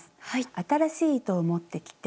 新しい糸を持ってきて。